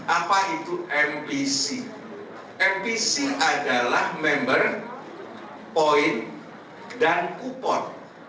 apa itu mpc mpc adalah member point dan kupon